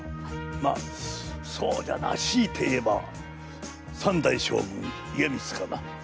まあそうだなしいて言えば三代将軍家光かな。